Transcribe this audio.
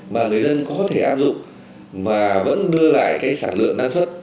mà người dân có thể áp dụng mà vẫn đưa lại cái sản lượng năng suất